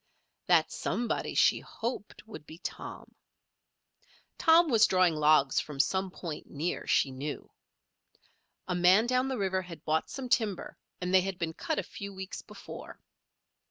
That somebody she hoped would be Tom. Tom was drawing logs from some point near, she knew. A man down the river had bought some timber and they had been cut a few weeks before.